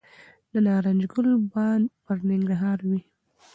د نارنج ګل به پرننګرهار وي